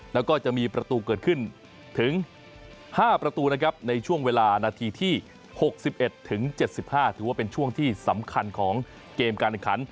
แล้วก็จะมีประตูเกิดขึ้นถึง๕ประตูนะครับในช่วงเวลานาทีที่๖๑ถึง๗๕ถือว่าเป็นช่วงที่สำคัญของเกมการแข่งขัน